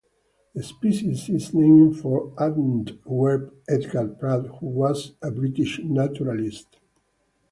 The species is named for Antwerp Edgar Pratt who was a British naturalist.